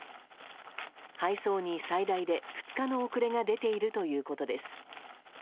配送に最大で２日の遅れが出ているということです。